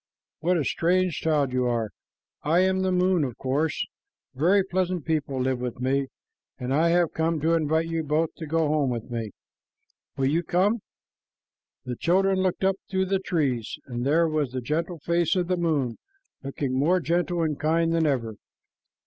What a strange child you are! I am the moon, of course. Very pleasant people live with me, and I have come to invite you both to go home with me. Will you come?" The children looked up through the trees, and there was the gentle face of the moon, looking more gentle and kind than ever.